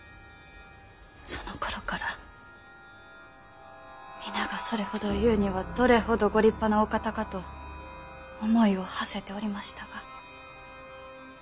そのころから皆がそれほど言うにはどれほどご立派なお方かと思いをはせておりましたが。